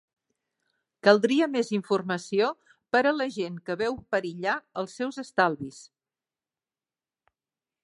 Caldria més informació per a la gent que veu perillar els seus estalvis.